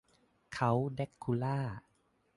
เค้าแดรกคูล่า